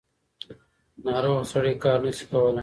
ناروغه سړی کار نشي کولی.